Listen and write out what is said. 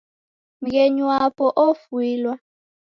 Mghenyu wapo ofuilwa.